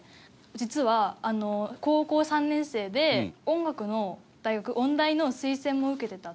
実はあの高校３年生で音楽の大学音大の推薦も受けてたっていうくらいの。